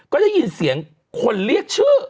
ก็ได้ยินเสียงคนเรียกชื่อ